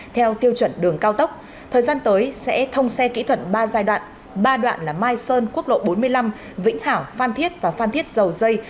theo tiêu chuẩn đường cao tốc thời gian tới sẽ thông xe kỹ thuật ba giai đoạn ba đoạn là mai sơn quốc lộ bốn mươi năm vĩnh hảo phan thiết và phan thiết dầu dây